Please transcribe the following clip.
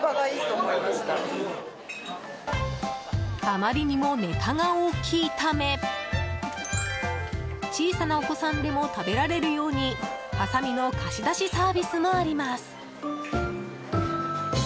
あまりにもネタが大きいため小さなお子さんでも食べられるようにハサミの貸し出しサービスもあります。